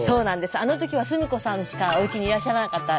あの時は澄子さんしかおうちにいらっしゃらなかった。